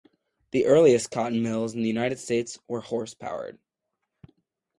The earliest cotton mills in the United States were horse-powered.